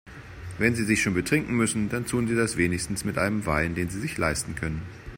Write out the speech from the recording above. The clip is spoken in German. Wenn Sie sich schon betrinken müssen, dann tun Sie das wenigstens mit einem Wein, den Sie sich leisten können.